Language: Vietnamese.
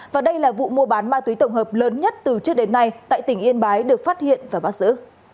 và đây là vụ mua bán ma túy tổng hợp lớn nhất từ trước đến nay tại tỉnh yên bái được phát hiện và bắt giữ